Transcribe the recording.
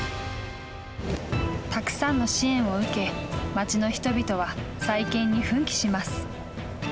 たくさんの支援を受け町の人々は再建に奮起します。